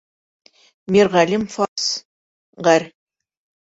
Мирғәлим фарс., ғәр.